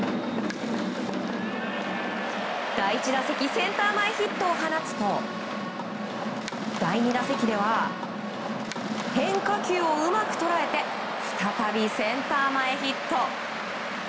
第１打席センター前ヒットを放つと第２打席では変化球をうまく捉えて再びセンター前ヒット。